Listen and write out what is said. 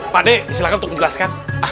pakde silakan untuk menjelaskan